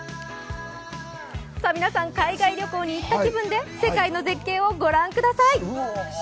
皆さん、海外旅行に行った気分で世界の絶景を御覧ください。